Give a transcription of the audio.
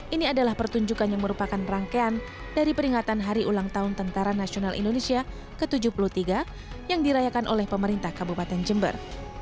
ini adalah pertunjukan yang merupakan rangkaian dari peringatan hari ulang tahun tentara nasional indonesia ke tujuh puluh tiga yang dirayakan oleh pemerintah kabupaten jember